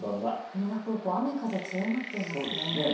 羽田空港雨風、強まっていますね。